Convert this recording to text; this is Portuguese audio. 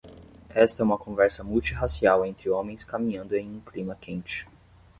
Esta é uma conversa multirracial entre homens caminhando em um clima quente.